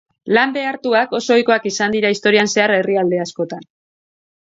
Lan behartuak oso ohikoak izan dira historian zehar herrialde askotan.